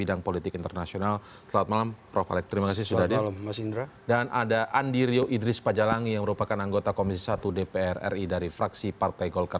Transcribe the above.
andirio idris pajalangi anggota komisi satu dpr ri dari partai golkar